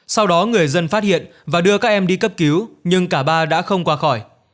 sau đó người dân phát hiện và đưa các em đi cấp cứu nhưng cả ba đã không qua khỏi